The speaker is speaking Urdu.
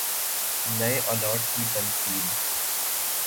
نئے آلات کی تنصیب